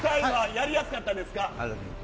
やりやすかったですか。